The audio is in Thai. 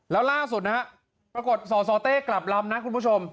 แล้วล่าสุดนะฮะปรากฏสสเต้กลับลำนะคุณผู้ชม